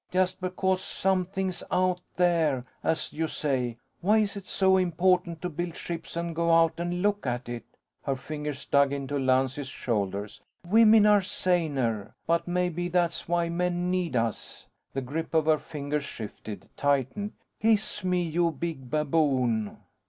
Just because something's out there, as you say ... why is it so important to build ships and go out and look at it?" Her fingers dug into Lance's shoulders. "Women are saner ... but maybe that's why men need us." The grip of her fingers shifted, tightened. "Kiss me, you big baboon."